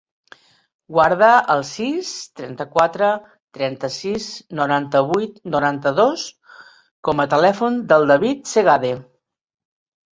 Guarda el sis, trenta-quatre, trenta-sis, noranta-vuit, noranta-dos com a telèfon del David Segade.